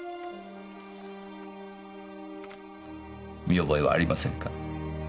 見覚えはありませんか？